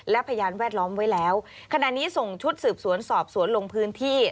และพยานแวดล้อมไว้แล้วขณะนี้ส่งชุดสืบสวนสอบสวนลงพื้นที่